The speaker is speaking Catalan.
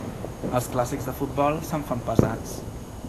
Els clàssics de futbol se'm fan pesats.